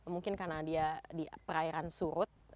mungkin karena dia di perairan surut